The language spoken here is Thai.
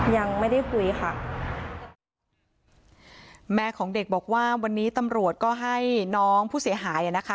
ยังไม่ได้คุยค่ะแม่ของเด็กบอกว่าวันนี้ตำรวจก็ให้น้องผู้เสียหายอ่ะนะคะ